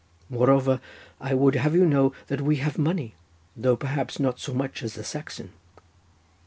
Moreover, I would have you know that we have money, though perhaps not so much as the Saxon."